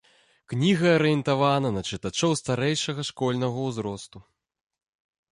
Кніга арыентавана на чытачоў старэйшага школьнага узросту.